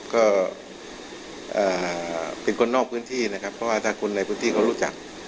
ก็เป็นคนนอกพื้นที่นะครับเพราะว่าถ้าคนในพื้นที่เขารู้จัก